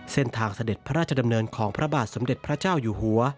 เสด็จพระราชดำเนินของพระบาทสมเด็จพระเจ้าอยู่หัว